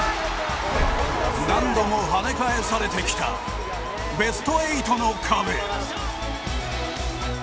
何度もはね返されてきたベスト８の壁